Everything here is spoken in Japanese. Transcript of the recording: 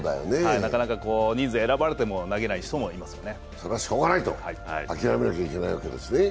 なかなか人数、選ばれても投げれない人もいますね。